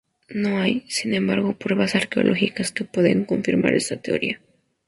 No hay, sin embargo, pruebas arqueológicas que puedan confirmar esta teoría.